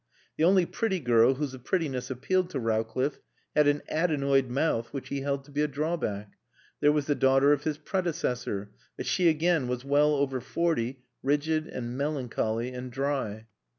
The only pretty girl whose prettiness appealed to Rowcliffe had an "adenoid" mouth which he held to be a drawback. There was the daughter of his predecessor, but she again was well over forty, rigid and melancholy and dry.